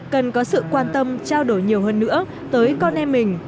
cần có sự quan tâm trao đổi nhiều hơn nữa tới con em mình